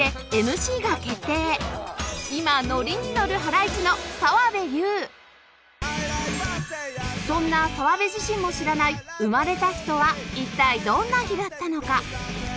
今ノリにのるそんな澤部自身も知らない生まれた日とは一体どんな日だったのか？